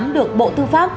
được bộ tư pháp